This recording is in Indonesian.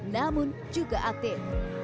namun juga aktif